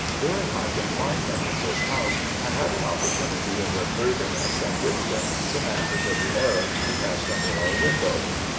During my confinement in this house, I had an opportunity of observing at some distance the manners of the Arabs, who passed under our window.